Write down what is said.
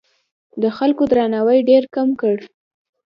د خلکو درناوی ډېر کم کړ.